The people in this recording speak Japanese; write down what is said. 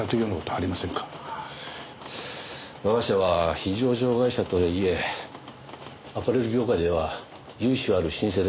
ああ我が社は非上場会社とはいえアパレル業界では由緒ある老舗です。